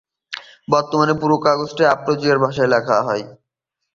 বর্তমানে পুরো কাগজটি ফারোয়েজীয় ভাষায় লেখা হয়।